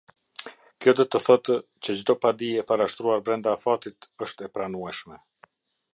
Kjo do të thotë që çdo padi e parashtruar brenda afatit është e pranueshme.